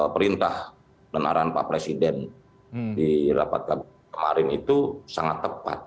pertintah penaraan pak presiden di lapak kemarin itu sangat tepat